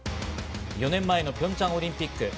４年前のピョンチャンオリンピック。